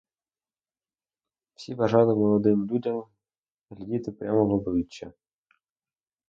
Всі бажали молодим людям глядіти прямо в обличчя.